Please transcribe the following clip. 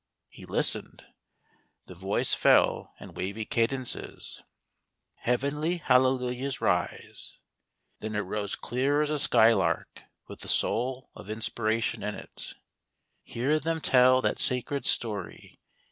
He listened. The voice fell in wavy cadences :" Heavenly Hallelujahs rise^ DOT. Then it rose clear as a skylark, with the soul of in spiration in it :" Hear them tell that sacred story.